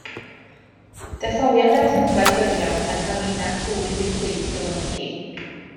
Detholiad o erthyglau byrion gan Hafina Clwyd yw Clust y Wenci.